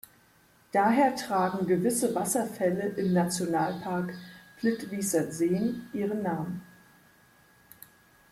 Daher tragen gewisse Wasserfälle im Nationalpark Plitvicer Seen ihren Namen.